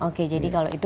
oke jadi kalau itu